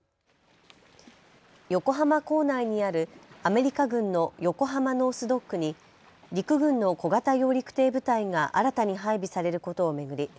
横浜港内にあるアメリカ軍の横浜ノース・ドックに陸軍の小型揚陸艇部隊が新たに配備されることを巡り